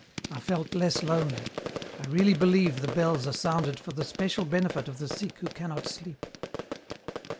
I felt less lonely. I really believe the bells are sounded for the special benefit of the sick who cannot sleep."